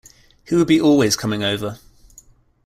He would be always coming over.